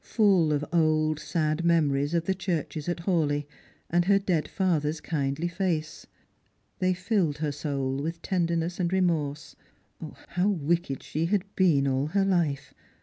— full of old sad memories ot the churches at Hawleigh, and her dead father's kindly face. They filled her soul with tenderness and remorse. How wicked (he had been all her life